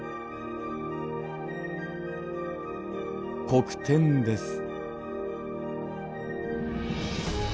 黒点です。